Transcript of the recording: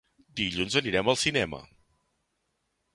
Dilluns anirem al cinema.